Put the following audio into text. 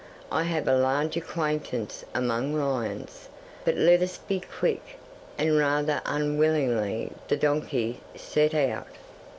"I have a large acquaintance among lions. But let us be quick," and rather unwillingly the donkey set out.